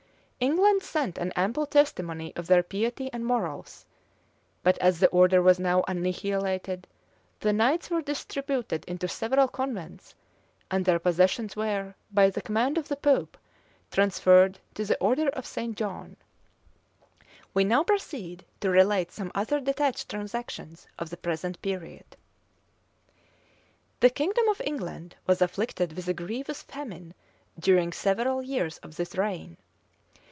England sent an ample testimony of their piety and morals; but as the order was now annihilated, the knights were distributed into several convents, and their possessions were, by command of the pope, transferred to the order of St. John.[*] We now proceed to relate some other detached transactions of the present period. The kingdom of England was afflicted with a grievous famine during several years of this reign.